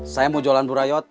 saya mau jualan burayot